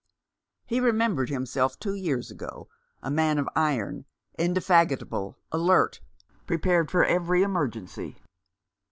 He remembered himself two years ago, a man of iron, indefatigable, alert, prepared for every emergency.